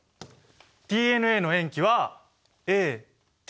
ＤＮＡの塩基は「ＡＴＧＣ」。